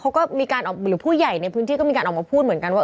เขาก็มีการออกหรือผู้ใหญ่ในพื้นที่ก็มีการออกมาพูดเหมือนกันว่า